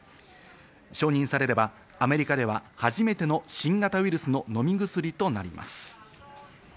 承認されればアメリカでは初めての新型ウイルスの飲み薬となります。